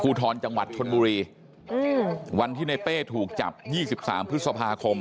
ทรจังหวัดชนบุรีอืมวันที่ในเป้ถูกจับยี่สิบสามพฤษภาคม